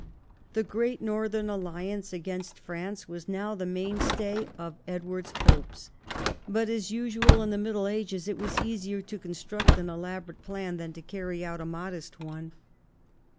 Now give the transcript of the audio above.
The great northern alliance against France was now the mainstay of Edward's ho})es ; but as usual in the Middle Ages it was easier to construct an elaborate plan than to carry out a modest one.